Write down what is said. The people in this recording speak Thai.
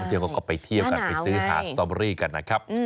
จนก็ไปเที่ยวกันไปซื้อหาอาจารย์สตอเบอรี่กันนะครับ